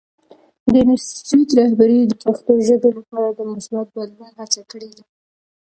د انسټیټوت رهبرۍ د پښتو ژبې لپاره د مثبت بدلون هڅه کړې ده.